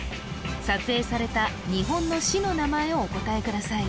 撮影された日本の市の名前をお答えください